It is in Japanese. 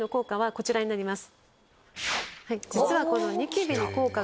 こちらになります。